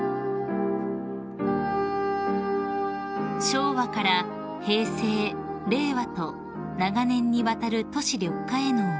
［昭和から平成令和と長年にわたる都市緑化への思い］